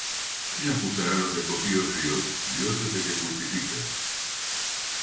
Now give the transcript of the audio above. ¿Quién acusará á los escogidos de Dios? Dios es el que justifica.